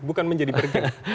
bukan menjadi bergening